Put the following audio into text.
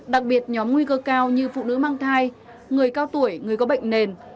đặc biệt nhóm nguy cơ cao như phụ nữ mang thai người cao tuổi người có bệnh nền